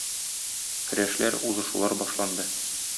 Көрәшләр, узышулар башланды.